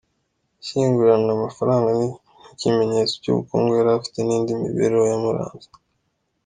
Yashyinguranywe amafaranga nk’ikimenyetso cy’ubukungu yari afite n’indi mibereho yamuranze.